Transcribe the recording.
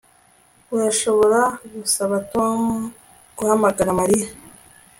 Urashobora gusaba Tom guhamagara Mariya